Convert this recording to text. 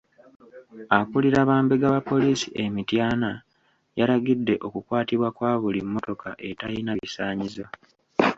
Akulira bambega ba poliisi e Mityana yalagidde okukwatibwa kwa buli mmotoka etayina bisaanyizo.